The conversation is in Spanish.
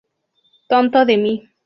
Tonto de mí.